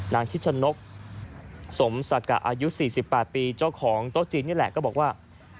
ชิชนกสมศักอายุ๔๘ปีเจ้าของโต๊ะจีนนี่แหละก็บอกว่า